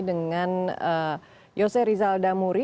dengan yose rizal damuri